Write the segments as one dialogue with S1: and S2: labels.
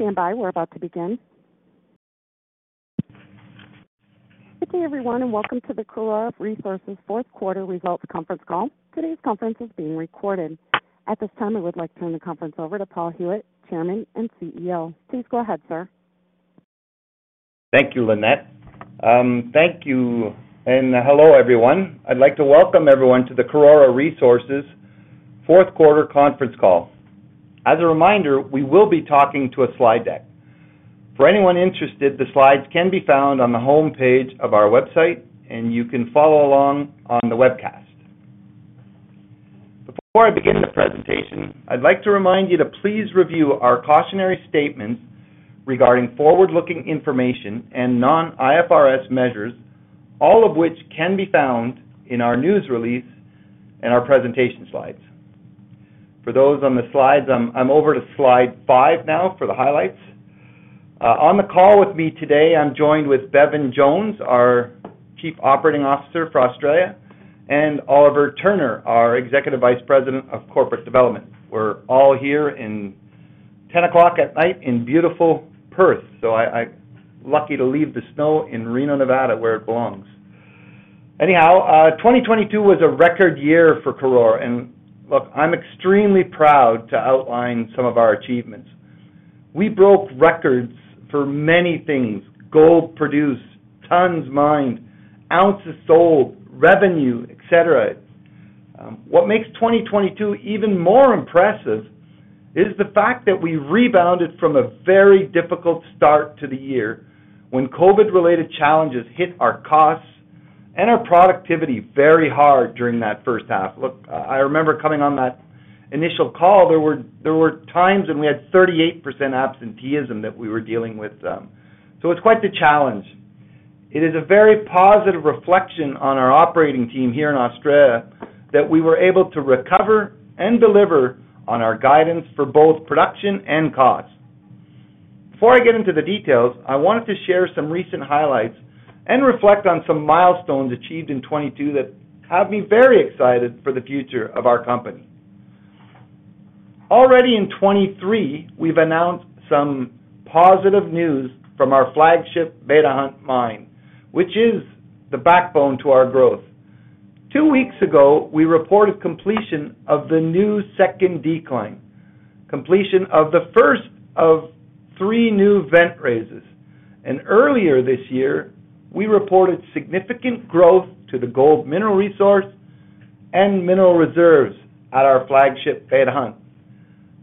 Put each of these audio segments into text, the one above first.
S1: Good day, everyone, and welcome to the Karora Resources fourth quarter results conference call. Today's conference is being recorded. At this time, I would like to turn the conference over to Paul Huet, Chairman and CEO. Please go ahead, sir.
S2: Thank you, Lynette. Thank you and hello, everyone. I'd like to welcome everyone to the Karora Resources fourth quarter conference call. As a reminder, we will be talking to a slide deck. For anyone interested, the slides can be found on the homepage of our website, and you can follow along on the webcast. Before I begin the presentation, I'd like to remind you to please review our cautionary statements regarding forward-looking information and non-IFRS measures, all of which can be found in our news release and our presentation slides. For those on the slides, I'm over to Slide 5 now for the highlights. On the call with me today, I'm joined with Bevan Jones, our Chief Operating Officer for Australia, and Oliver Turner, our Executive Vice President of Corporate Development. We're all here in 10:00 P.M. in beautiful Perth. I lucky to leave the snow in Reno, Nevada, where it belongs. Anyhow, 2022 was a record year for Karora, and look, I'm extremely proud to outline some of our achievements. We broke records for many things: gold produced, tons mined, ounces sold, revenue, etc. What makes 2022 even more impressive is the fact that we rebounded from a very difficult start to the year when COVID-related challenges hit our costs and our productivity very hard during that first half. Look, I remember coming on that initial call, there were times when we had 38% absenteeism that we were dealing with. It's quite the challenge. It is a very positive reflection on our operating team here in Australia that we were able to recover and deliver on our guidance for both production and cost. Before I get into the details, I wanted to share some recent highlights and reflect on some milestones achieved in 2022 that have me very excited for the future of our company. Already in 2023, we've announced some positive news from our flagship Beta Hunt Mine, which is the backbone to our growth. Two weeks ago, we reported completion of the new second decline, completion of the first of three new ventilation raises. Earlier this year, we reported significant growth to the gold mineral resource and mineral reserves at our flagship Beta Hunt.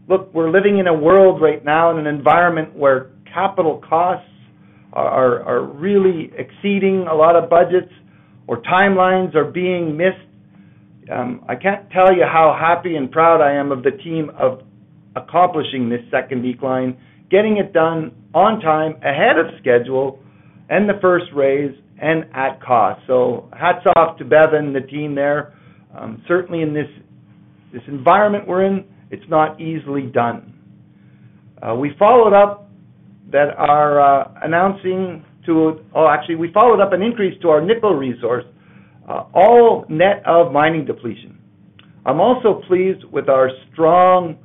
S2: Look, we're living in a world right now in an environment where capital costs are really exceeding a lot of budgets or timelines are being missed. I can't tell you how happy and proud I am of the team of accomplishing this second decline, getting it done on time ahead of schedule and the first raise and at cost. Hats off to Bevan and the team there. Certainly in this environment we're in, it's not easily done. We followed up an increase to our nickel resource, all net of mining depletion. I'm also pleased with our strong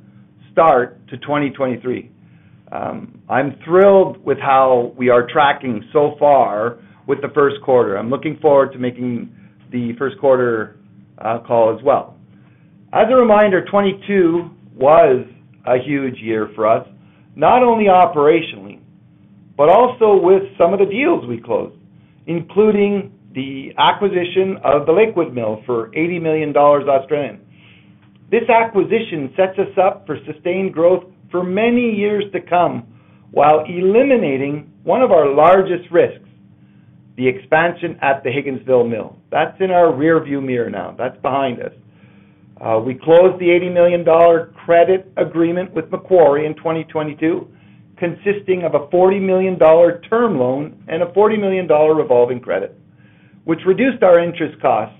S2: start to 2023. I'm thrilled with how we are tracking so far with the first quarter. I'm looking forward to making the first quarter call as well. As a reminder, 2022 was a huge year for us, not only operationally, but also with some of the deals we closed, including the acquisition of the Lakewood Mill for 80 million Australian dollars. This acquisition sets us up for sustained growth for many years to come while eliminating one of our largest risks, the expansion at the Higginsville Mill. That's in our rearview mirror now. That's behind us. We closed the 80 million dollar credit agreement with Macquarie in 2022, consisting of an 40 million dollar term loan and an 40 million dollar revolving credit, which reduced our interest costs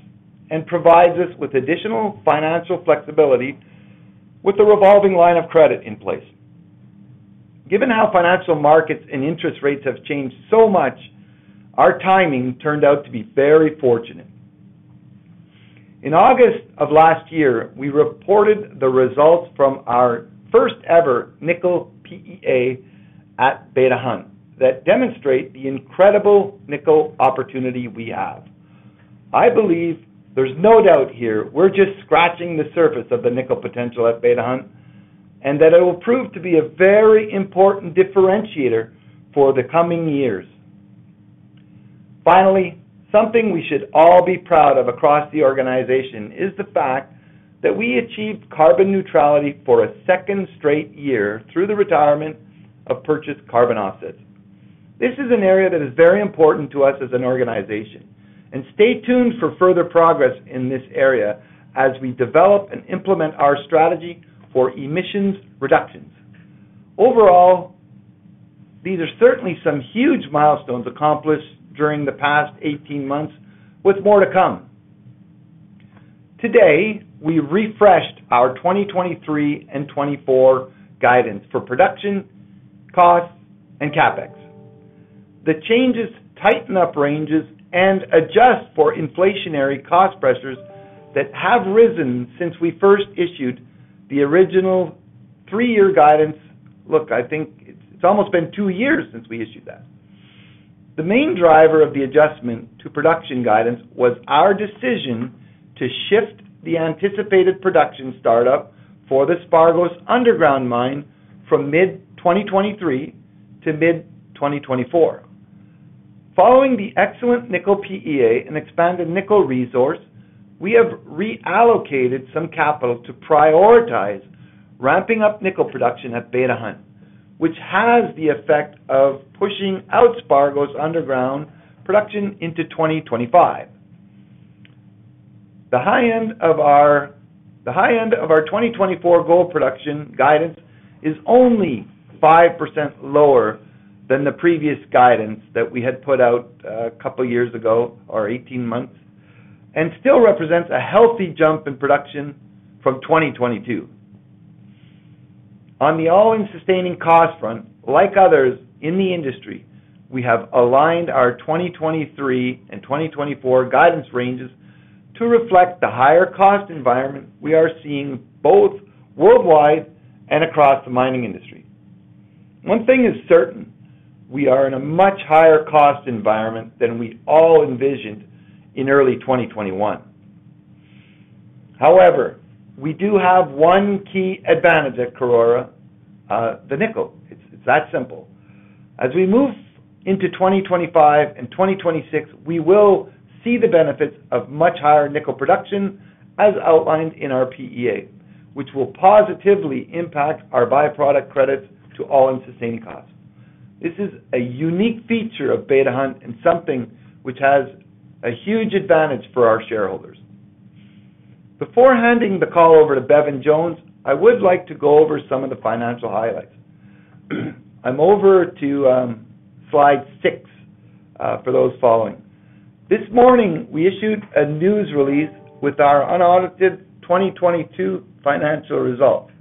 S2: and provides us with additional financial flexibility with the revolving line of credit in place. Given how financial markets and interest rates have changed so much, our timing turned out to be very fortunate. In August of last year, we reported the results from our first-ever nickel PEA at Beta Hunt that demonstrate the incredible nickel opportunity we have. I believe there's no doubt here we're just scratching the surface of the nickel potential at Beta Hunt, and that it will prove to be a very important differentiator for the coming years. Finally, something we should all be proud of across the organization is the fact that we achieved carbon neutrality for a second straight year through the retirement of purchased carbon offsets. This is an area that is very important to us as an organization. Stay tuned for further progress in this area as we develop and implement our strategy for emissions reductions. Overall, these are certainly some huge milestones accomplished during the past 18 months, with more to come. Today, we refreshed our 2023 and 2024 guidance for production, costs, and CapEx. The changes tighten up ranges and adjust for inflationary cost pressures that have risen since we first issued the original three-year guidance. Look, I think it's almost been two years since we issued that. The main driver of the adjustment to production guidance was our decision to shift the anticipated production startup for the Spargos underground mine from mid-2023 to mid-2024. Following the excellent nickel PEA and expanded nickel resource, we have reallocated some capital to prioritize ramping up nickel production at Beta Hunt, which has the effect of pushing out Spargos underground production into 2025. The high end of our 2024 gold production guidance is only 5% lower than the previous guidance that we had put out a couple years ago, or 18-months, and still represents a healthy jump in production from 2022. On the all-in sustaining costs front, like others in the industry, we have aligned our 2023 and 2024 guidance ranges to reflect the higher cost environment we are seeing both worldwide and across the mining industry. One thing is certain, we are in a much higher cost environment than we all envisioned in early 2021. However, we do have one key advantage at Karora, the nickel. It's that simple. As we move into 2025 and 2026, we will see the benefits of much higher nickel production as outlined in our PEA, which will positively impact our byproduct credits to all-in sustaining costs. This is a unique feature of Beta Hunt, and something which has a huge advantage for our shareholders. Before handing the call over to Bevan Jones, I would like to go over some of the financial highlights. I'm over to Slide 6 for those following. This morning, we issued a news release with our unaudited 2022 financial results.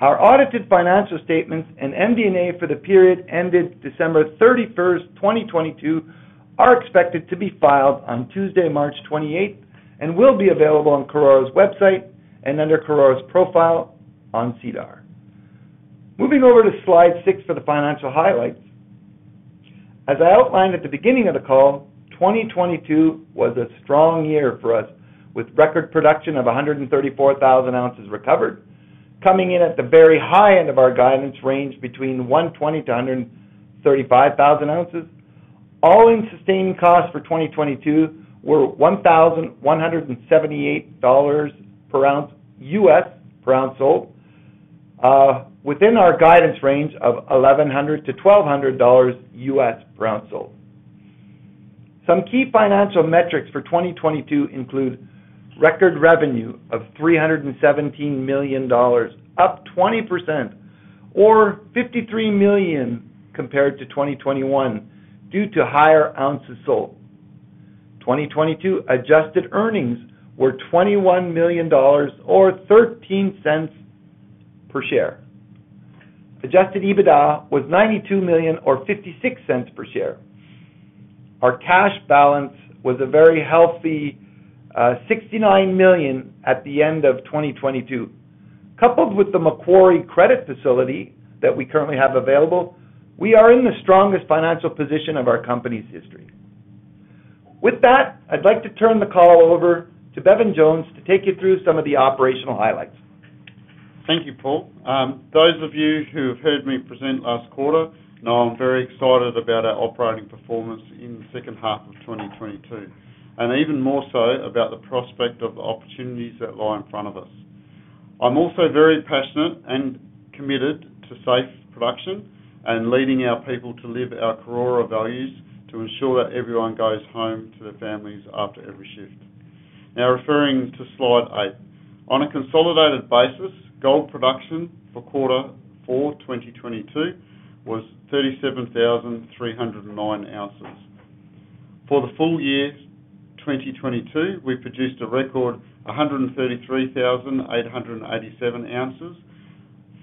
S2: Our audited financial statements and MD&A for the period ended December 31, 2022, are expected to be filed on Tuesday, March 28, and will be available on Karora's website and under Karora's profile on SEDAR. Moving over to Slide 6 for the financial highlights. As I outlined at the beginning of the call, 2022 was a strong year for us, with record production of 134,000 ounces recovered, coming in at the very high end of our guidance range between 120,000-135,000 ounces. all-in sustaining costs for 2022 were $1,178 per ounce sold, within our guidance range of $1,100-$1,200 per ounce sold. Some key financial metrics for 2022 include record revenue of $317 million, up 20% or $53 million compared to 2021 due to higher ounces sold. 2022 Adjusted earnings were $21 million or $0.13 per share. Adjusted EBITDA was $92 million or $0.56 per share. Our cash balance was a very healthy $69 million at the end of 2022. Coupled with the Macquarie credit facility that we currently have available, we are in the strongest financial position of our company's history. With that, I'd like to turn the call over to Bevan Jones to take you through some of the operational highlights.
S3: Thank you, Paul. Those of you who have heard me present last quarter know I'm very excited about our operating performance in the second half of 2022, and even more so about the prospect of the opportunities that lie in front of us. I'm also very passionate and committed to safe production and leading our people to live our Karora values to ensure that everyone goes home to their families after every shift. Referring to Slide 8. On a consolidated basis, gold production for Q4 2022 was 37,309 ounces. For the full year 2022, we produced a record 133,887 ounces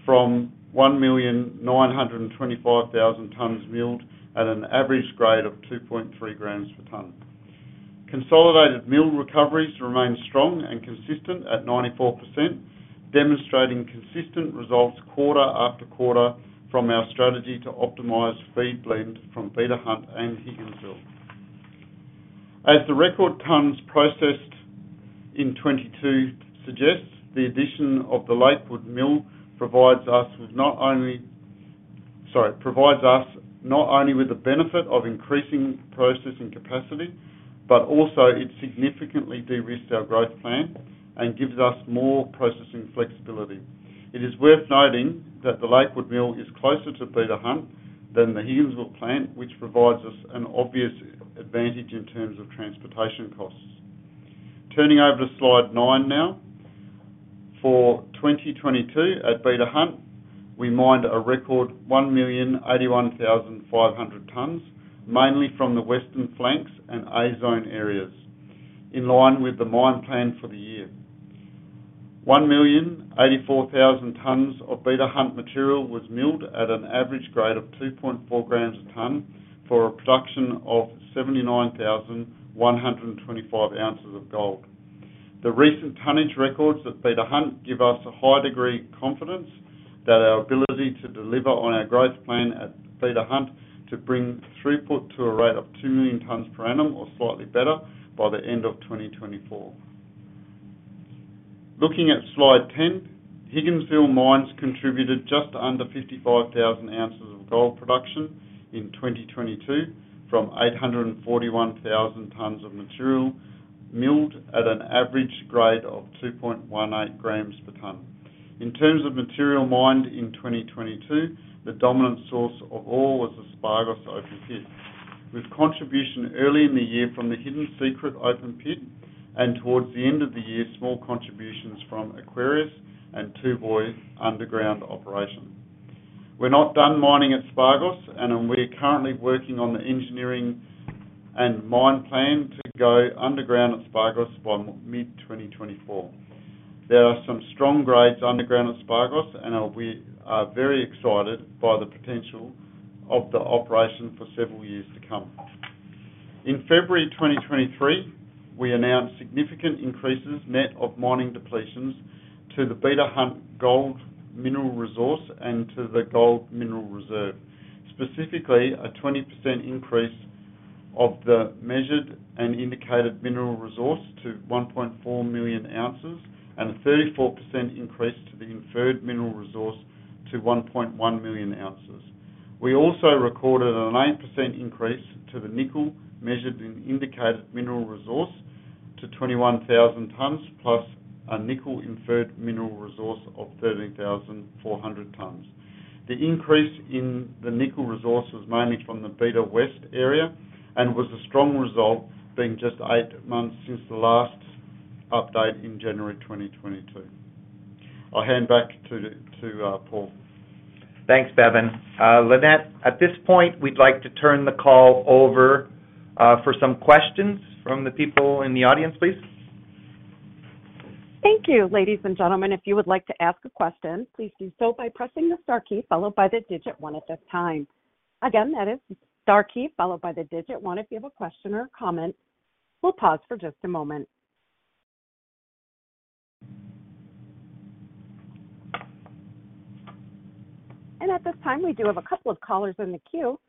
S3: from 1,925,000 tons milled at an average grade of 2.3 g per ton. Consolidated mill recoveries remain strong and consistent at 94%, demonstrating consistent results quarter-after-quarter from our strategy to optimize feed blend from Beta Hunt and Higginsville. As the record tons processed in 2022 suggests, the addition of the Lakewood Mill provides us not only with the benefit of increasing processing capacity, but also it significantly de-risks our growth plan and gives us more processing flexibility. It is worth noting that the Lakewood Mill is closer to Beta Hunt than the Higginsville plant, which provides us an obvious advantage in terms of transportation costs. Turning over to Slide 9 now. For 2022 at Beta Hunt, we mined a record 1,081,500 tons, mainly from the Western Flanks and A Zone areas, in line with the mine plan for the year. 1,084,000 tons of Beta Hunt material was milled at an average grade of 2.4 g a ton for a production of 79,125 ounces of gold. The recent tonnage records at Beta Hunt give us a high degree of confidence that our ability to deliver on our growth plan at Beta Hunt to bring throughput to a rate of 2 million tons per annum or slightly better by the end of 2024. Looking at Slide 10, Higginsville mines contributed just under 55,000 ounces of gold production in 2022 from 841,000 tons of material milled at an average grade of 2.18 g per ton. In terms of material mined in 2022, the dominant source of all was the Spargos open pit, with contribution early in the year from the Hidden Secret open pit, and towards the end of the year, small contributions from Aquarius and Two Boys underground operations. We're not done mining at Spargos, and we're currently working on the engineering and mine plan to go underground at Spargos by mid 2024. There are some strong grades underground at Spargos, and we are very excited by the potential of the operation for several years to come. In February 2023, we announced significant increases net of mining depletions to the Beta Hunt gold mineral resource and to the gold mineral reserve. Specifically, a 20% increase of the measured and indicated mineral resource to 1.4 million ounces and a 34% increase to the inferred mineral resource to 1.1 million ounces. We also recorded a 9% increase to the nickel measured in indicated mineral resource to 21,000 tons, plus a nickel inferred mineral resource of 13,400 tons. The increase in the nickel resource was mainly from the Beta West area and was a strong result being just 8 months since the last update in January 2022. I'll hand back to Paul.
S2: Thanks, Bevan. Lynette, at this point, we'd like to turn the call over, for some questions from the people in the audience, please.
S1: Thank you. Ladies and gentlemen, if you would like to ask a question, please do so by pressing the star key followed by the digit one at this time. Again, that is star key followed by the digit one if you have a question or comment. We'll pause for just a moment. At this time, we do have a couple of callers in the queue.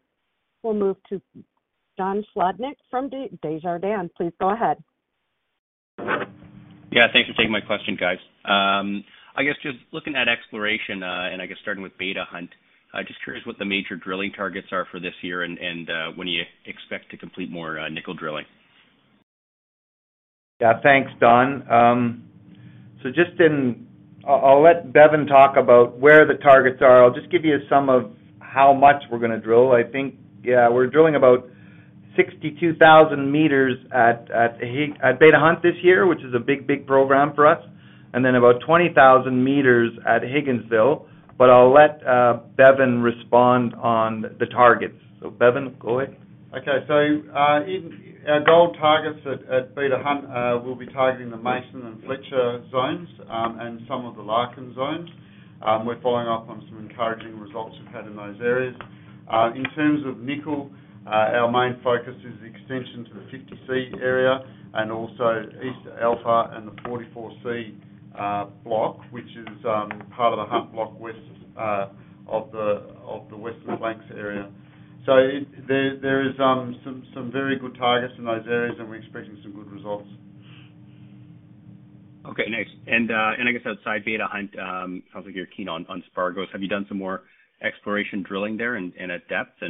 S1: We'll move to John Sclodnick from Desjardins. Please go ahead.
S4: Yeah, thanks for taking my question, guys. I guess just looking at exploration, and I guess starting with Beta Hunt, I'm just curious what the major drilling targets are for this year and when you expect to complete more nickel drilling.
S2: Yeah. Thanks, John. I'll let Bevan talk about where the targets are. I'll just give you a sum of how much we're gonna drill. I think, yeah, we're drilling about 62,000 meters at Beta Hunt this year, which is a big program for us, and then about 20,000 meters at Higginsville. I'll let Bevan respond on the targets. Bevan, go ahead.
S3: Okay. In our gold targets at Beta Hunt, we'll be targeting the Mason and Fletcher zones, and some of the Larkin zones. We're following up on some encouraging results we've had in those areas. In terms of nickel, our main focus is the extension to the 50C area and also East Alpha and the 44C block, which is part of the Hunt Block west of the Western Flanks area. There is some very good targets in those areas, and we're expecting some good results.
S4: Okay, nice. I guess outside Beta Hunt, sounds like you're keen on Spargos. Have you done some more exploration drilling there and at depth?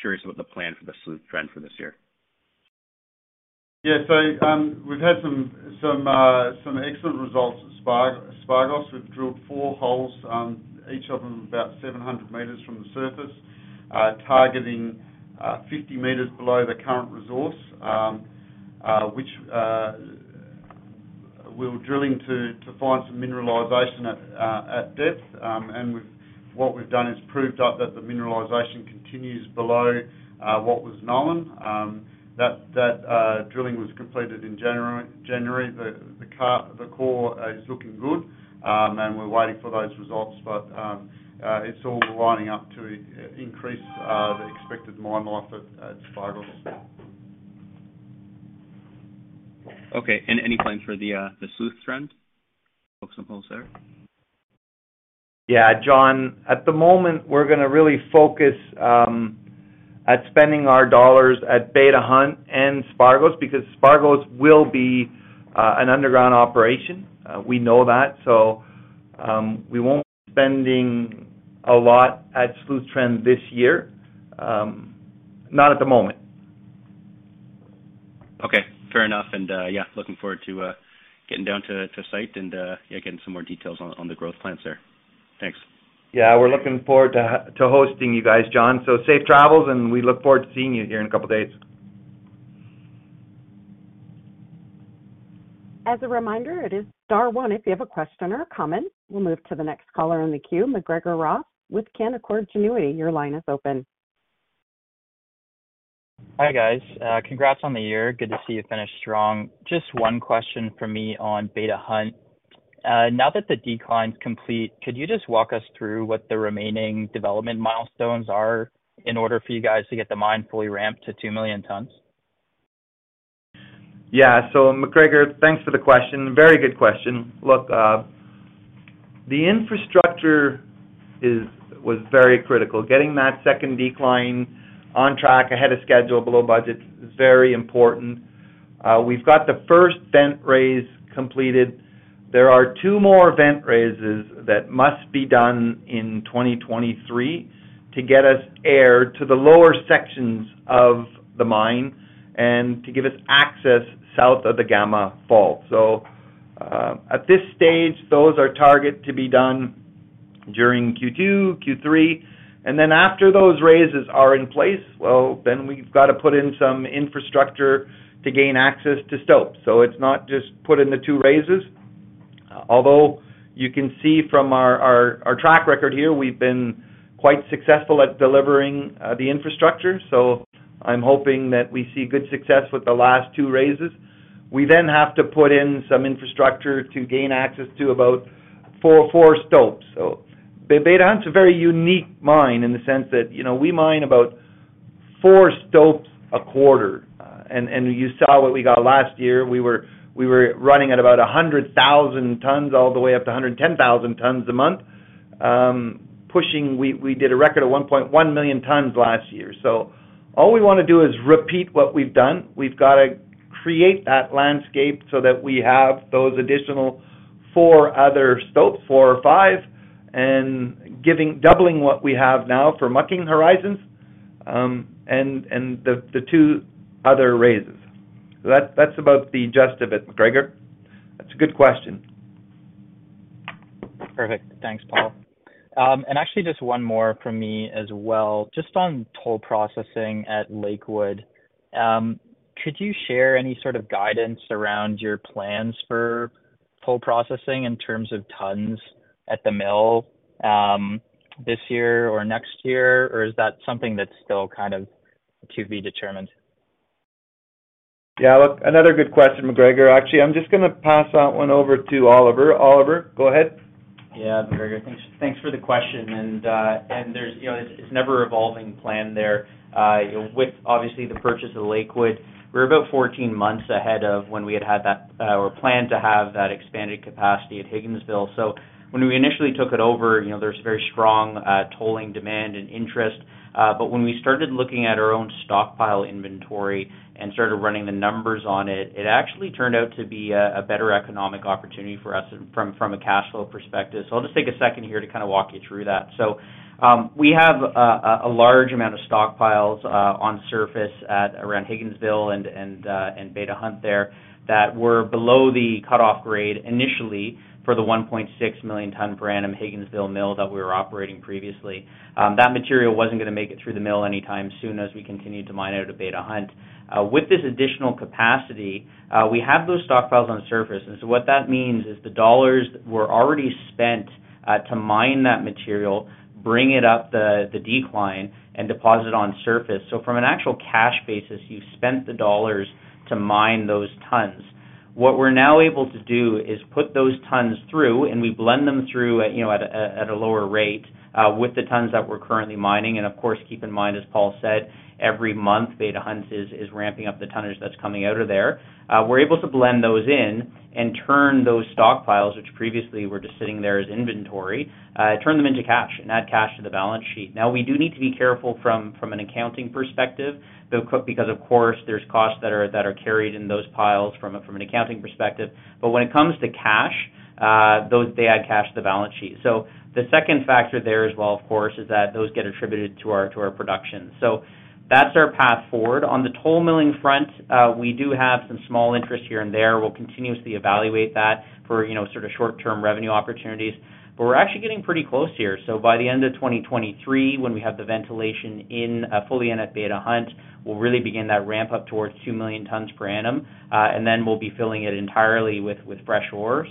S4: Curious what the plan for the Sleuth Trend for this year?
S3: Yeah. We've had some excellent results at Spargos. We've drilled four holes, each of them about 700 meters from the surface, targeting 50 m below the current resource. We're drilling to find some mineralization at depth. What we've done is proved up that the mineralization continues below what was known. That drilling was completed in January. The core is looking good, and we're waiting for those results. It's all lining up to increase the expected mine life at Spargos.
S4: Okay. Any plans for the Sleuth Trend? Focus on holes there?
S2: Yeah, John, at the moment, we're gonna really focus at spending our dollars at Beta Hunt and Spargos because Spargos will be an underground operation. We know that. We won't be spending a lot at Sleuth Trend this year, not at the moment.
S4: Okay. Fair enough. Yeah, looking forward to getting down to site and yeah, getting some more details on the growth plans there. Thanks.
S2: Yeah. We're looking forward to hosting you guys, John. Safe travels. We look forward to seeing you here in a couple days.
S1: As a reminder, it is star one if you have a question or a comment. We'll move to the next caller in the queue, MacGregor Ross with Canaccord Genuity. Your line is open.
S5: Hi, guys. congrats on the year. Good to see you finish strong. Just one question from me on Beta Hunt. now that the decline's complete, could you just walk us through what the remaining development milestones are in order for you guys to get the mine fully ramped to 2 million tons?
S2: Yeah. MacGregor, thanks for the question. Very good question. Look, the infrastructure was very critical. Getting that second decline on track ahead of schedule, below budget is very important. We've got the first vent raise completed. There are two more ventilation raises that must be done in 2023 to get us air to the lower sections of the mine and to give us access south of the Gamma fault. At this stage, those are targeted to be done during Q2, Q3. After those raises are in place, well, then we've got to put in some infrastructure to gain access to stope. It's not just put in the two raises, although you can see from our track record here, we've been quite successful at delivering the infrastructure. I'm hoping that we see good success with the last two raises. We have to put in some infrastructure to gain access to about four stopes. Beta Hunt's a very unique mine in the sense that, you know, we mine about four stopes a quarter. You saw what we got last year. We were running at about 100,000 tons all the way up to 110,000 tons a month. We did a record of 1.1 million tons last year. All we wanna do is repeat what we've done. We've got to create that landscape so that we have those additional four other stopes, four or five, doubling what we have now for mucking horizons, and the two other raises. That's about the gist of it, MacGregor. That's a good question.
S5: Perfect. Thanks, Paul. Just one more from me as well. Just on toll processing at Lakewood, could you share any sort of guidance around your plans for toll processing in terms of tons at the mill, this year or next year? Or is that something that's still kind of to be determined?
S2: Yeah. Look, another good question, MacGregor. Actually, I'm just gonna pass that one over to Oliver. Oliver, go ahead.
S6: Yeah. MacGregor, thanks for the question. There's, you know, it's an ever-evolving plan there. With obviously the purchase of Lakewood, we're about 14-months ahead of when we had had that or planned to have that expanded capacity at Higginsville. When we initially took it over, you know, there's very strong tolling demand and interest. When we started looking at our own stockpile inventory and started running the numbers on it actually turned out to be a better economic opportunity for us from a cash flow perspective. I'll just take a second here to kinda walk you through that. We have a large amount of stockpiles on surface at around Higginsville and Beta Hunt there that were below the cut-off grade initially for the 1.6 million ton per annum Higginsville mill that we were operating previously. That material wasn't gonna make it through the mill anytime soon as we continued to mine out of Beta Hunt. With this additional capacity, we have those stockpiles on surface, what that means is the dollars were already spent to mine that material, bring it up the decline, and deposit on surface. From an actual cash basis, you've spent the dollars to mine those tons. What we're now able to do is put those tons through. We blend them through at, you know, at a lower rate with the tons that we're currently mining. Of course, keep in mind, as Paul said, every month, Beta Hunt is ramping up the tonnage that's coming out of there. We're able to blend those in and turn those stockpiles, which previously were just sitting there as inventory, turn them into cash and add cash to the balance sheet. We do need to be careful from an accounting perspective, though, because of course there's costs that are carried in those piles from an accounting perspective. When it comes to cash, those... they add cash to the balance sheet. The second factor there as well, of course, is that those get attributed to our, to our production. That's our path forward. On the toll milling front, we do have some small interest here and there. We'll continuously evaluate that for, you know, sort of short-term revenue opportunities. But we're actually getting pretty close here. By the end of 2023, when we have the ventilation in, fully in at Beta Hunt, we'll really begin that ramp up towards 2 million tons per annum. And then we'll be filling it entirely with fresh ore.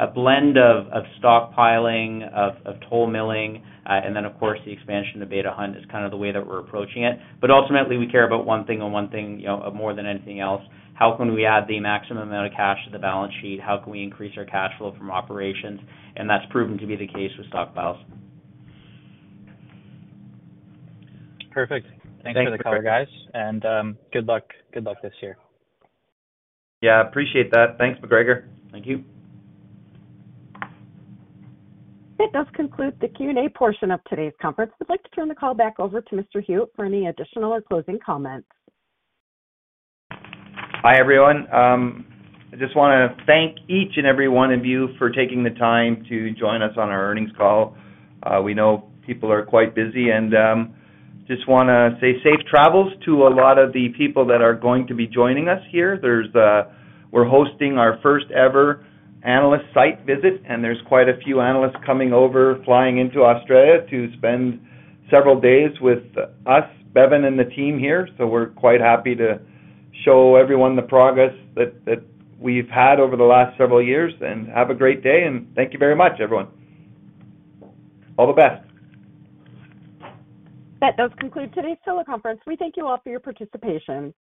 S6: A blend of stockpiling, of toll milling, and then of course the expansion of Beta Hunt is kind of the way that we're approaching it. Ultimately, we care about one thing and one thing, you know, more than anything else. How can we add the maximum amount of cash to the balance sheet? How can we increase our cash flow from operations? That's proven to be the case with stockpiles.
S5: Perfect. Thanks for the color, guys. Good luck this year.
S2: Appreciate that. Thanks, MacGregor.
S6: Thank you.
S1: That does conclude the Q&A portion of today's conference. I'd like to turn the call back over to Mr. Huet for any additional or closing comments.
S2: Hi, everyone. I just wanna thank each and every one of you for taking the time to join us on our earnings call. We know people are quite busy and just wanna say safe travels to a lot of the people that are going to be joining us here. There's, we're hosting our first-ever analyst site visit, and there's quite a few analysts coming over, flying into Australia to spend several days with us, Bevan Jones and the team here. We're quite happy to show everyone the progress that we've had over the last several years. Have a great day, and thank you very much, everyone. All the best.
S1: That does conclude today's teleconference. We thank you all for your participation.